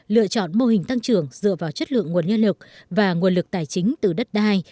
lựa chọn mô hình tăng trưởng dựa vào chất lượng nguồn nhân lực và nguồn lực tài chính từ đất đai